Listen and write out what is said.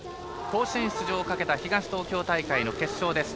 甲子園出場を懸けた東東京大会の決勝です。